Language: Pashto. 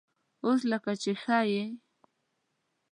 _اوس لکه چې ښه يې؟